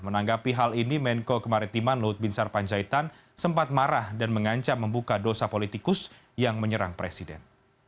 menanggapi hal ini menko kemaritiman luhut bin sarpanjaitan sempat marah dan mengancam membuka dosa politikus yang menyerang presiden